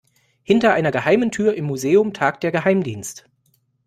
Hinter einer geheimen Tür im Museum tagt der Geheimdienst.